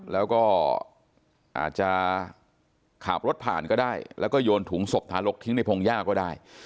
แล้วก็อาจจะขับรถผ่านก็ได้แล้วก็โยนถุงศพทารกทิ้งในพงหญ้าก็ได้